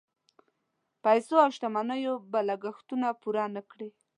پیسو او شتمنیو به لګښتونه پوره نه کړي.